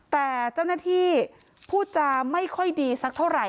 แต่เจ้าหน้าที่พูดจาไม่ค่อยดีสักเท่าไหร่